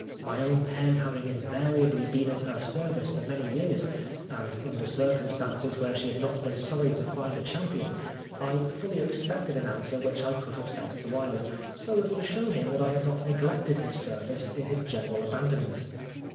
My own pen having invariably been at her service for many years, and under circum stances where she had not been sorry to find a champion, I fully expected an answer which I could have sent to Wilde, so as to show him that I had not neglected his service in his general abandonment.